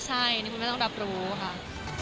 ใช่มันต้องรับรู้ค่ะ